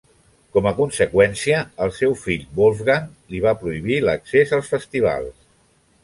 Com a conseqüència, el seu fill Wolfgang li va prohibir l'accés als festivals.